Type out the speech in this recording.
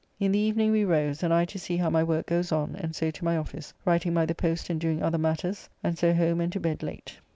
In the evening we rose, and I to see how my work goes on, and so to my office, writing by the post and doing other matters, and so home and to bed late.